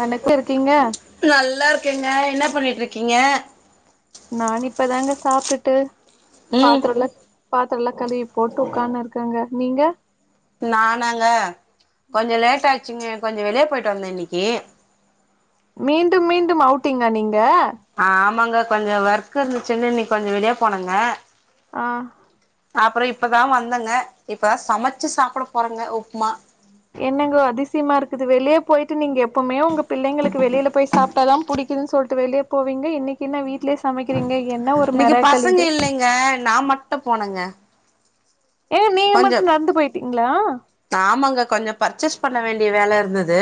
வணக்க இருக்கீங்க நல்லாருக்கேங்க என்ன பண்ணிட்ருக்கீங்க நானு இப்பதாங்க சாப்டுட்டு ம் பாத்ரோலாக் பாத்ரலா கழுவிப் போட்டு ஒக்கானுருக்கங்க நீங்க நானாங்க கொஞ்ச லேட் ஆச்சுங்க கொஞ்ச வெளிய போயிட்டு வந்தே இன்னக்கி மீண்டும் மீண்டும் அவுட்டிங்கா நீங்க ஆமாங்க கொஞ்ச ஒர்க் இருந்துசுனு இன்னைக் கொஞ்ச வெளிய போனங்க ஆ அப்றோ இப்பதா வந்தங்க இப்பதா சமச்சு சாப்ட போறங்க உப்மா என்னங்கோ அதிசியமா இருக்குது வெளிய போயிட்டு நீங்க எப்போமே ஒங்க பிள்ளைங்களுக்கு வெளில போய் சாப்டாதாம் புடிக் கிதுன் சொல்ட்டு வெளியப் போவீங்க இன்னிக் என்ன வீட்லே சமைக்கிறீங்க என்ன ஒரு இன்னைக்கு மெரேக்கல் பசங்க இது இல்லைங்க நா மட்டு போனேங்க ஏ நீங்க மட்டு நட்ந்து போய்ட்டீங்ளா ஆமங்க கொஞ்ச பர்ச்சஸ் பண்ண வேண்டிய வேல இருந்தது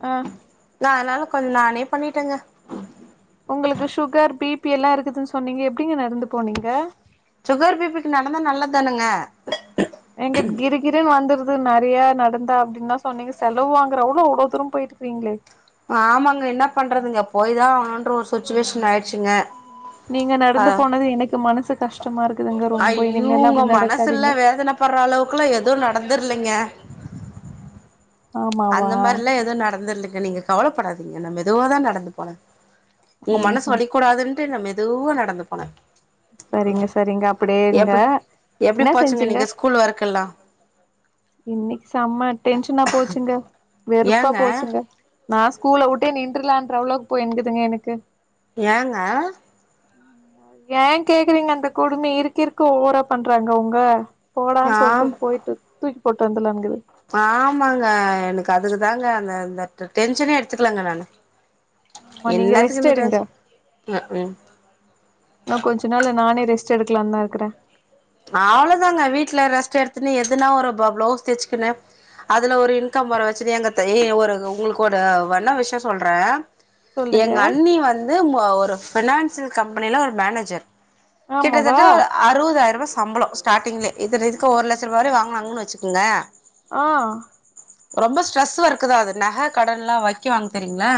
அ நா அதனால கொஞ்ச நானே பண்ணிடேங்க ஒங்குளுக்கு சுகர் பி பி எல்லா இருக்குதுன் சொன்னீங்க எப்டிங்க நடந்து போனீங்க சுகர் பி பிக்கு நடந்தா நல்லத்தானுங்க எங்க கிரு கிருன் வந்துருதுன் நெறயா நடந்தா அப்டினா சொன்னீங்க செலவு வாங்குற அவ்ளோ அவ்ளோ தூரம் போய்ட்டுகிறீங்ளே ஆமாங்க என்னாப் பண்றதுங்க போய்தா ஆன்ற ஒரு சுச்சுவேஷன் ஆயிட் [inaudible] நீங்க நடந்து போனது எனக்கு மனசு கஷ்டமா இருக்குதுங்க ரொம்ப இனிமேல்லா அப்டி நடக்காதீங்க பட்ற அளவுக்குல்லா எதுவு நடந்துர்லைங்க ஆமாவா அந்த மாரில்லா எதுவு நடந்துர்லங்க நீங்க கவலபடாதீங்க நா மெதுவாதா நடந்து போனே ஒங்க ம் மனசு ம் வலிக்க கூடாதுன்ட்டு நா மெதுவா நடந்து போன செரிங்க செரிங்க அப்டியேங்க எப்டி என்ன போச்சுங்க செஞ்சீங்க நீங்க ஸ்கூல் ஒர்க்கெல்லா இன்னைக்கு செம்ம டென்ஷனா போச்சுங்க வெறுப்பா ஏங்க போச்சுங்க நா ஸ்கூலவுட்டு நின்றுலான்ற அவ்ளோக் போய் இருந்துதுங்க எனக்கு ஏங்க ஏ கேக்றீங்க அந்த கொடுமை இருக்க இருக்க ஓவரா பண்றாங்க ஒங்க போடானு சொல்ட்டு ஆம் போய்ட்டு தூக்கி போட்டு வந்துல்னாக்குது ஆமாங்க எனக்கு அதுக்கு தாங்க அந்த டென்ஷனே எடுத்துக்கலங்க நானு ஆமா நீங்க என்னாத்துக்கு ரெஸ்ட் இந்த எடுங்க டென்ஷன் அ க் கு இன்னும் கொஞ்ச நாள்ல நானே ரெஸ்ட் எடுக்கலான்தா இருக்குறே அவ்ளோதாங்க வீட்ல ரெஸ்ட் எடுத்துன்னு எதுனா ஒரு பிளவுஸ் தைச்சுக்குணு அதுல ஒரு இன்கம் வர வச்சு எங்க ஒரு உங்கக்கோட வண்ண விஷயம் சொல்ற சொல்லுங்க எங்க அண்ணி வந்து ஒரு பினான்சியல் கம்பெனில ஒரு மேனேஜர் ஆமாவா கிட்டத்தட்ட அறுவதாயிருபா சம்பளம் ஸ்டார்டிங்ல இது இதுக்கு ஒருலட்ச ரூபா வர வாங்கினாங்கன்னு வச்சுோங்க ஓ ரொம்ப ஸ்ட்ரெஸ் ஒக்குதா அது நகை கடன்ல்லா வைக்கி வாங்க தெரியுங்களா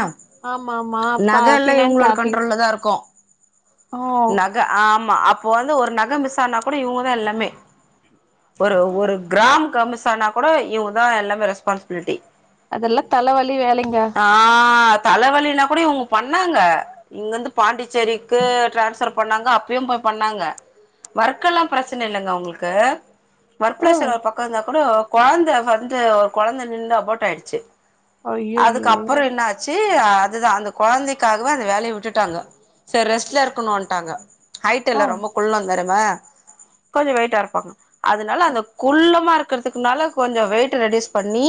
ஆமா ஆமா ஃப நக எல்லா ஃபினான்ஸ் இவங்களோட ஆபீஸ் கண்ட்ரோல்லலதா இருக்கு ஓ நகை ஆமா அப்போ வந்து ஒரு நகை மிஸ் ஆனா கூட இவங்கதா எல்லாமே ஒரு ஒரு கிராம் க மிஸ்ஸான்னா கூட இவங்கதா எல்லாமே ரெஸ்பான்சிபிலிட்டி அதெல்லா தலைவலி வேலைங்க ஆ தலைவலினா கூட இவங்க பண்ணாங்க இங்கிருந்து பாண்டிச்சேரிக்கு டிரான்ஸ்பர் பண்ணாங்க அப்பயும் போய் பண்ணாங்க வோர்க்லாம் பிரச்சனை இல்லைங்க அவங்களுக்கு ஒர்க் ஆ பிரசர் ஒரு பக்க உக்காந்தா கூட கொழந்தை வந்து ஒரு கொழந்தை நின்னு அபாட் ஆயிடுச்சு அதுக்கு ஐயையோ அப்பற என்னா ஆச்சு ச்சு அதுதா அந்த கொழந்தைக்காகவே அந்த வேலையை விட்டுட்டாங்க சரி ரெஸ்ட்ல இருக்கணுன்ட்டாங்க ஹைட் இல்ல ஆ ரொம்ப குள்ளம் தெருமா கொஞ்சோ வெயிட்டா இருப்பாங்க அதனால அந்த குள்ளமா இருக் குறதுக்குனால கொஞ்சோ வெயிட் ரெடியூஸ் பண்ணி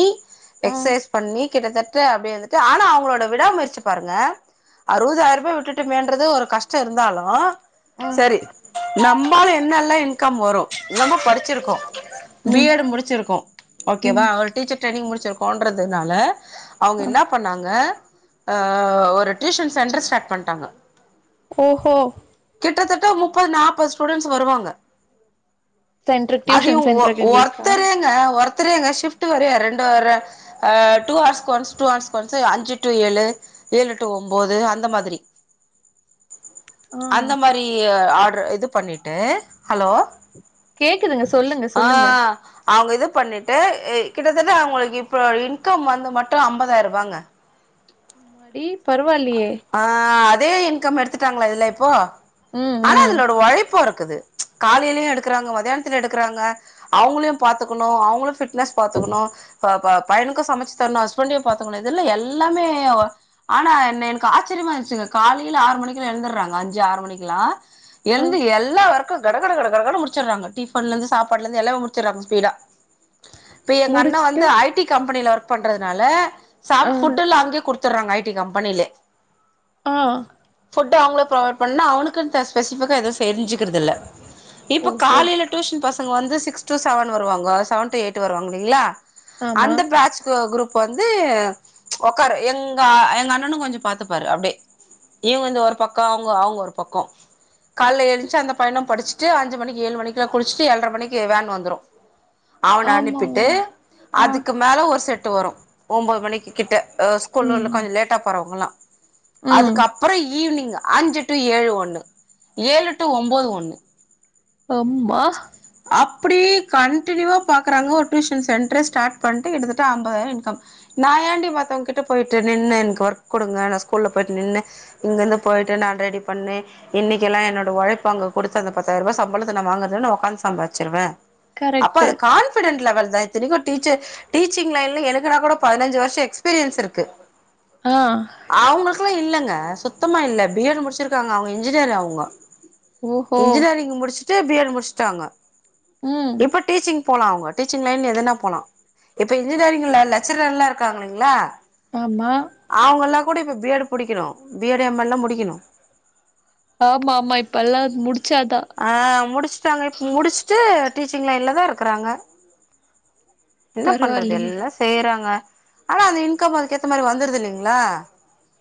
ம் எக்சைஸ் பண்ணி கிட்டத்தட்ட அப்படி வந்துட்டு ஆனா அவங்களோட விடாமுயற்சி பாருங்க அறுபதாயிரம் ரூபாய் விட்டுட்டமேயன்றது ஒரு கஷ்ட இருந்தாலு ம் சரி நம்மாலு என் நல்ல இன்கம் வரு நம்ம படிச்சிருக்கோ ம் பிஎட் முடிச்சிருக்கோ ம் ஓகேவா ஒரு டீச்சர் ட்ரைனிங் முடிச்சிருக்கு போன்றதுனால அவங்க என்னா பண்ணாங்க ஒரு டியூஷன் சென்டர் ஸ்டார்ட் பண்ணிட்டாங்க ஓஹோ கிட்டத்தட்ட முப்பது நாற்பது ஸ்டூடென்ஸ் வருவாங்க சென்ட்ருக்கு அதயு டியூஷன் சென்ட்ருக்கு எங்களுக்கா ஒருத்தரேங்க ஒருத்தரேங்க ஷிப்ட் வர ரெண்டு வ அ two hours once two hours once அஞ்சு டு ஏழு ஏழு டு ஒன்பது அந்த மாதிரி ஆ அந்த மாதிரி ஆர்டரு இது பண்ணிட்டு ஹலோ கேக்குதுங்க சொல்லுங்க ஆ சொல்லுங்க அவங்க இது பண்ணிட்டு கிட்டத்தட்ட அவங்களுக்கு இப்போ இன்கம் வந்து மட்டு ஐம்பதாயிருபாங்க அடி பரவால்லியே ஆ அதே இன்கம் எடுத்துட்டாங்களா இதுல இப்போ ம் ஆனா ம் அதலோட உழைப்பு இருக்குது காலைலயு எடுக்குறாங்க மத்தியானத்துல எடுக்கிறாங்க அவுங்களையு பாத்துக்கணு அவுங்களு பிளஸ் பாத்துக்கணு ப ப பயனுக்கு சமச்சு தரணு ஹஸ்பண்டையு பாத்துக்கணு இதுல்ல எல்லாமே ஆனா என்ன ஆச்சரியமாச்சுங்க காலையில ஆறு மணி எழுந்துடுறாங்க அஞ்சு ஆறு மணிக்குல்லா ஆ எழுந்து எல் லா வர்க்கு கட கட கட கடனு முடிச்சுருறாங்க டிஃபன்லந்து சாப்பாட்டுலயிருந்து எல்லாமே முடிச்சுடுறாங்க ஸ்பீடா இப்ப எங்க அண்ண முடிச்சுட்டு வந்து ஐடி கம்பெனில ஒர்க் பண்றதுனால ஆ சாப் ஃபுட்டு எல்லா அங்கயே குடுத் துட்றாங்க ஐடி கம்பெனிலயே ஆஹ் ஃபுட் அவங்களே ப்ரொவைட் பண்ணா அவனுக்குன் ஸ்பெசிபிக்கா எதுவும் செஞ்சுக்கிறதுல்ல இப்ப ஓஹோ காலையில டியூஷன் பசங்க வந்து சிக்ஸ் டு செவன் வருவாங்க செவன் டு எயிட் வருவாங்க இல்லைங்களா ஆமா அந்த பேட்ச் குரூப் வந்து உக்காரும் எங்க எங்க அண்ணனும் கொஞ்சம் பாத்துப் பாரு அப்டி இவுங்க வந்து ஒரு பக்கம் அவுங்க அவுங்க ஒரு பக்கம் காலைல எழுஞ்சு அந்த பையனும் படிச்சுட்டு அஞ்சு மணிக்கு ஏழு மணிக்கு குளிச்சிட்டு ஏழ்ட்ர மணிக்கு வேன் வந்துரும் அவன அனுப்பிட்டு ஆமாவா ஆ அதுக்கு மேல ஒரு செட்டு வரும் ஒன்பது மணிக்கு கிட்ட ஆ ஸ்கூல்ல உள்ள ம் கொஞ்சம் லேட்டா போறவங்கள்லா ம் அதுக்கப்புறம் ஈவினிங் அஞ்சு டு ஏழு ஒண்ணு ஏழு டு ஒம்பது ஒண்ணு அம் அப்டி கண்டினியூவா பாக்குறாங்க ஒரு டியூஷன் சென்டரே ஸ்டார்ட் பண்ட்டு கிட்டத்தட்ட அம்பதாயிரம் இன்கம் நா ஏண்டி மத்தவுங்க கிட்ட போயிட்டு நின்னு எனக்கு ஒர்க் குடுங்க நா ஸ்கூல்ல போயிட்டு நின்னு இங்கிருந்து போயிட்டு நா ரெடி பண்ணி இன்னைக்கு எல்லா என்னோட உழைப்பு அங்க கொடுத்து அந்த பத்தாயிர ரூபாய் சம்பளத்த நா வாங்க உக்காந்து சம்பாச்சிருவே அப்போ கரெக்ட்டு அது கான்பிடன்டு லெவல் தா இத்தனைக்கு டீச்சர் டீச்சிங் லைன்ல எனக்குனா கூட பதினஞ்சு வருஷோ எக்ஸ்பீரியன்ஸ் இருக்கு ஆஹ் அவுங்களுக்கெல்லா இல்லங்க சுத்தமா இல்ல பிஎட் முடிச்சிருக்காங்க அவுங்க இன்ஜினியர் அவுங்க ஓஹோ இன்ஜினியரிங் முடிச்சுட்டு பிஎட் முடிச்சுட்டாங்க ம் இப்ப டீச்சிங் போலா அவுங்க டீச்சிங் லைன்ல எதுனா போலா இப்ப இன்ஜினியரிங்ல லெக்சரர் எல்லா இருக்காங்க இல்லைங்களா ஆமா அவுங்க எல்லா கூட இப்ப பிஎட் புடிக்கணு பிஎட் எம்எட் எல்லா முடிக்கணு ஆமா ஆமா இப்பெல்லா அது முடிச்சாதா ஆஹ் முடிச்சுட்டாங்க இப்ப முடிச்சுட்டு டீச்சிங் லைன்ல தா இருக்குறாங்க என்ன பண்றது பரவாயில்லையே எல்லா செய்றாங்க ஆனா அந்த இன்கம் அதுக்கு ஏத்த மாரி வந்துருது இல்லைங்களா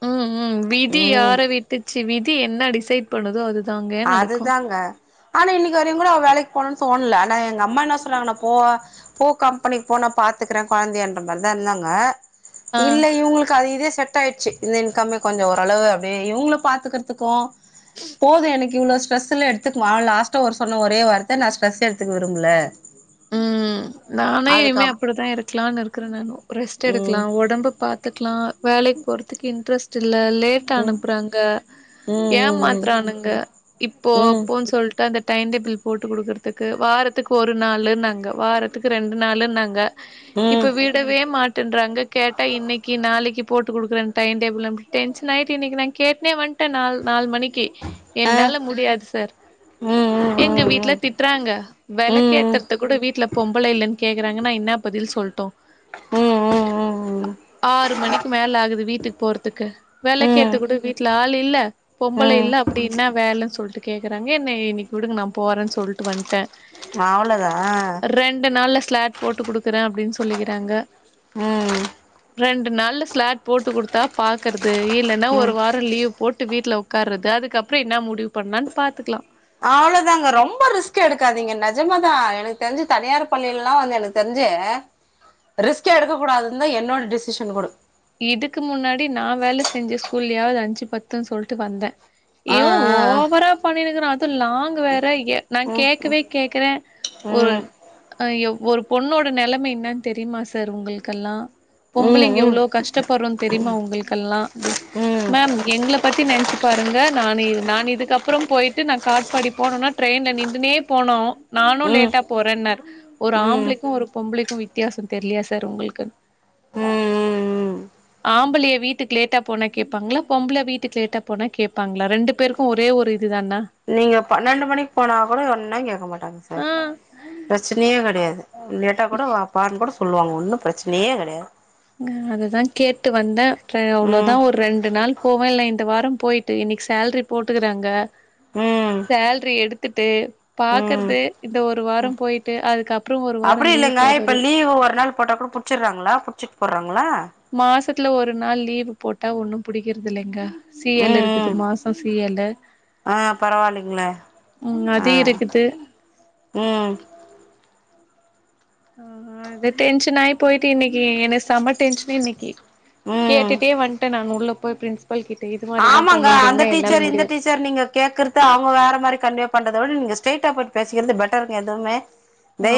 ம் ம் விதி ம் யார விட்டுச்சு விதி என்ன டிசைட் பண்ணுதோ அதுதாங்க நடக்கு அதுதாங்க ஆனா இன்னைக்கு வரையு கூட அவ வேலைக்கு போகணுன்னு தோணல ஆனா எங்க அம்மா என்ன சொல்றாங்கண்ணா போ போ கம்பெனி போ நா பாத்துக்குறே குழந்தையன்ற மாரி தான் இருந்தாங்க ஆ இல்ல இவுங்களுக்கு அது இதே செட் ஆயிடுச்சு இந்த இன்கமே கொஞ்சம் ஓரளவு அப்டியே இவுங்கள பாத்துக்குறதுக்கு போது எனக்கு இவ்ளோ ஸ்ட்ரெஸ்லா எடுத்துக்குமா லாஸ்டா ஒரு சொன்ன ஒரே வார்த்த நா ஸ்ட்ரெஸ் எடுத்துக்க விரும்பல ம் நானே இனிமே அதுக்கப் அப்டித்தா இருக்கலான்னு இருக்கிறே நானு ரெஸ்ட் எடுக்கலா ம் உடம்பு பாத்துக்கலா வேலைக்கு போறதுக்கு இன்ட்ரெஸ்ட் இல்ல லேட்டா ம் அனுப்புறாங்க ம் ம் ஏமாத்துறானுங்க இப்போ ம் அப்போன்னு சொல்ட்டு அந்த டைம் டேபிள் போட்டு குடுக்குறதுக்கு வாரத்துக்கு ஒரு நாளு நாங்க வாரத்துக்கு ரெண்டு நாளுனாங்க ம் ம் இப்ப விடவே மாட்டேன்றாங்க கேட்டா இன்னைக்கு நாளைக்கு போட்டு குடுக்குறே டைம் டேபிள் அப்புடி டென்ஷன் ஆயிட்டு இன்னைக்கு நா கேட்னே வன்ட நா நாலு மணிக்கு ஆ என்னால முடியாது சார் ம் ம் எங்க வீட்ல ம் திட்டுறாங்க ம் விளக்கு ம் ஏத்தர் கூட வீட்ல பொம்பல இல்லன்னு கேக்குறாங்க நா என்ன பதில் சொல்டு ம் ம் ம் ஆறு மணிக்கு மேல ஆகுது வீட்டுக்கு போறதுக்கு ம் விளக்கு ம் ஏத்த கூட வீட்டுல ஆளு இல்ல பொம்பள ம் இல்ல அப்டி என்ன வேலன்னு சொல்ட்டு கேக்கறாங்க என்னைய இன்னிக்கு விடுங்க நா போறன் சொல்ட்டு வந்ட்டே. ம் அவ்ளதா அ ரெண்டு நாள்ல ஸ்லாட் போட்டு குடுக்கறே அப்டின் சொல்லிக்கறாங்க. ம். ரெண்டு நாள்ல ஸ்லாட் போட்டு குடுத்தா பாக்கறது இல்லன்னா ஒரு ம் வாரோ லீவ் போட்டு வீட்ல உக்கார்றது அதுக்கப்ற என்னா முடிவு பண்லான் பாத்துக்லா. அவ்ளோதாங்க ரொம்ப ரிஸ்க் எடுக்காதீங்க நெஜமா தா எனக்கு தெரிஞ்சு தனியார் பள்ளில்லா வந்து என தெர்ஞ்சு ரிஸ்கே எடுக்க கூடாதுன்தா என்னோட டிசிஷன் கூடு. இதுக்கு முன்னாடி நா வேல செஞ்ச ஸ்கூல்லயாவ்து அஞ்சு பத்துன் சொல்ட்டு வந்தே. ஆ இவ ஆ ஓவரா பண்ணிணுகுறா அது லாங்கு வேற எ நா ஆ கேக்கவே கேக்கறே ம் ஒருன் அ யொ ஒரு பொண்ணோட நெலம என்னன் தெரிமா சார் உங்குள்க்கல்லா ம் பொம்பளைங்க ம் எவ்ளோ கஷ்டப்பட்றோன் தெரிமா உங்குளுக்கல்லா அப்டின் ம் மேம் எங்ள பத்தி நென்ச்சு பாருங்க நானு இது நானு இதுக்கப்புறோ போயிட்டு நா காட்பாடி போணுன்னா ட்ரெயின்ல நிண்டுனே போணு. நானு ம் லேட்டா போறேன்னாரு ஒரு ம் ம் ஆம்ப்ளிக்கு ஒரு பொம்ப்ளிக்கு வித்தியாசோ தெர்லியா சார் உங்குளுக்குன் ம் ஆம்பளைய வீட்டுக்கு லேட்டா போனா கேப்பாங்ளா பொம்பள வீட்டுக் லேட்டா போனா கேப்பாங்ளா ரெண்டு பேருக் கு ஒரே ஒரு இதுதான்னா. நீங்க பன்னெண்டு மணிக் போனா கூடொ ஒன்னு கேக்க மாட்டாங்க சார். ஆ பிரச்சினையே கெடையாது லேட்டா கூட வாப்பான் கூட சொல்லுவாங் ஒன்னு பிரச்சினையே கெடையாது. ம் அததா கேட்டு வந்தே அப்ற அவ்ளோதா ம் ஒர் ரெண்டு நாள் போவே இல்ல இன்ட வாரம் போயிட்டு இன்னிக்கு சேல்ரி போட்டுக்கிறாங்க. ம் சேல்ரி எடுத்துட்டு ம் பாக்கற்து இந்த ஒரு வாரம் போயிட்டு அதுக்கப்றோ ஒரு வாரோ அப்டி லீவ் இல்லங்க இப்ப போட்றது. லீவு ஒரு நாள் போட்டா கூட புடு ச்சிர்றாங்களா புட்ச்சிட் போட்றாங்ளா? மாசத்ல ஒரு நாள் லீவு போட்டா ஒன்னும் புடிக்கிறது இல்லிங்கா. சீ எல் ம் ம் இருக்குது மாசோ சீ எல்லு ஆ பர ம் அது இருக்கிது. ம். ஆ அது டென்ஷன் ஆயி போயிட்டு இன்னிக்கி எனக் செம டென்ஷன் இன்னிக்கி. ம் கேட்டுட்டே வந்ட்டே நானு உள்ள போய் பிரின்ஸ்பல் கிட்ட இது மாரி எல்லா பண்ணிர்ந்திங்ன்னா என்னால் முடியா டர் நீங்க கேக்கறத்த அவுங்க வேற மாரி கன்வே பண்றத விட நீங்க ஸ்ட்ரெய்டா போய்ட் பேசிக்கிறது பெட்டருங்க எதுமே.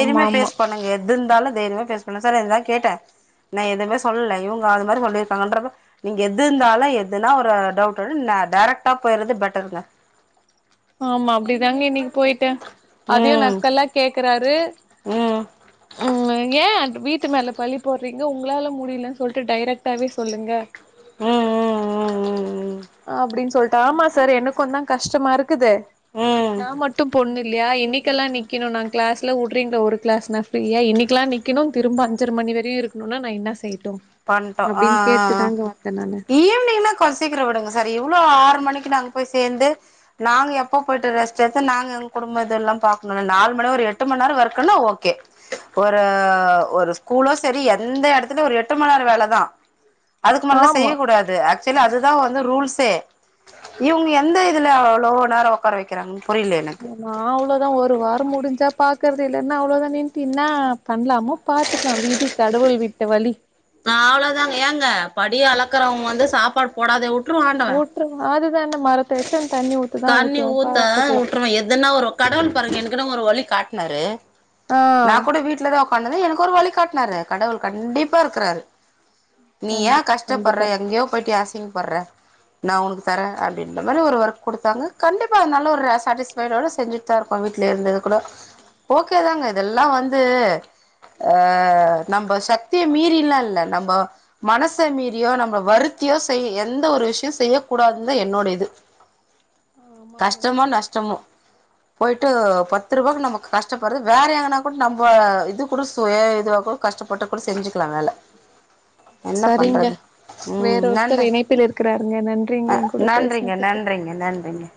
ஆமா ஆமா ஃபேஸ் பண்ணுங்க எது இந்தாலு தைரிமா ஃபேஸ் பண்ணு சார் இதுதா கேட்டே. நா எதுமே சொல்லல இவுங்க அது மாரி சொல்லிருக்காங்கன்றப்ப நீங்க எது இந்தாலு எதுனா ஒ ரு டவுட்டுன் ந டேரக்ட்டா போய்ர்றது பெட்டருங்க. ஆமா அப்டிதாங்க இன்னிக்கி போய்ட்டே அதையு ம் நக்கலா கேக்கறாரு ம் ங்க. அ ஏ டு வீட்டு மேல பழி போட்றிங்க உங்குளால முடிலன் சொல்ட்டு டைரெக்டாவே சொல்லுங்க. ம் ம் ம் ம் ம். அப்டின் சொல்ட்டு ஆமா சார் எனக்குந்தா கஷ்டமாரு க்குது ம் ம் நா மட்டு பொண்ணு இல்லியா இன்னிக்கல்லா நிக்கிணு நா கிளாஸ் ல உட்றிங்ளா ஒரு கிளாஸ்னா ஃப்ரீயா இன்னிக்குலா நிக்குணு திரும்ப அஞ்சர மணி வரையு இருக்ணுனா நா என்ன செய்ட்டு. பண்ட்டோ அ அ அ ஈவ்னிங்னா கொஞ் சீக்ரோ விடுங்க சார் இவ்ளோ ஆறு மணிக்கு நாங்க போய் சேந்து நாங்க எப்போ போயிட்டு ரெஸ்ட் எத்து நாங்க எங் குடும்ப இதுல்லா பாக்ணுல்ல நால் மணி ஒரு எட்டு மண் நேரோ ஒர்க்குன்னா ஓ கேட்கவில்லை ப்போ ஒரு ஒரு ஸ்கூலோ செரி எந்த எடத்திலி ஒரு எ ட்டு மண் நேர வேலதா அதுக்கு மேல்லா ஆமா செய்யக்கூடாது. அ க்சுவலா அதுதா வந்து ரூல்ஸே இவுங்க எந்த இதுல அவ்ளோ நேரோ ஒ உக்கார வைக்கிறாங்கன்னு புரியில எனக்கு நா அவ்ளோ தா ஒரு வார முடிஞ்சா பாக்கற இல்லைன்னா அவ்ளோதா நின்ட்டு என்னா பண்ணலாமோ பாத்துக்கலா விதி கடவுள் விட்ட வழி ஆ அவ்ளோ தாங்க ஏங்க படி அளக்கறவங்க வந்து சாப்பாடு போடாதே விட்ருவா ஆண்டவன் அதுதா நா மற கண்ணி ஊத்தா விட்ருவ எதன்னா வரு கடவுள் பாருங்க என்கின்னு ஒரு வழி காட்னாரு ஆ நா கூட வீட்டுலதா உக்காண்ட்ருந்த எனக்கு ஒரு வழிகாட்டினாரு கடவுள் கண்டிப்பா இருக்குறாரு நீ ஏ கண்டிப்பா கஷ்டப்படுற கண்டிப்பா எங்கயோ போயிட்டு ஏ ஆசிங்கப்படுற நா உனக்கு தரே அப்டின்ற மாரி ஒரு ஒர்க் குடுத்தாங்க கண்டிப்பா அது நல்ல ஒரு சாடிஸ் பேரோட செஞ்சுட்டு தா இருக்கோ வீட்லே இருந்து கூட ஓகேதாங்க இதெல்லாம் வந்து அ நம்ப சக்திய மீறிலா இல்ல நம்போ மனச மீறியோ நம்மள வருத்தியோ செய்ய எந்த ஒரு விஷ்ய செய்யக் கூடாதுனு தா என்னோட இது கேட்கவில்லை கஷ்டமோ நஷ்டமோ போயிட்டு பத்து ரூபாக்கு நமக்கு கஷ்டப்படுறது வேற எங்கன கூட நம்ம இது கூட சுய இதுவா கூட கஷ்டப்பட்டு கூட செஞ்சுக்கலா வேல என்ன சரிங்க பண்றது வேற ம் ஒருத்தரு நன்றி இணைப்பில் இருக்குறாருங்க நன்றிங்க அ என் கூட நன்றிங்க பேசனதுக்கு நன்றிங்க நன்றிங்க